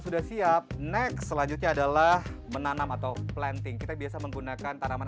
sudah siap next selanjutnya adalah menanam atau planting kita biasa menggunakan tanaman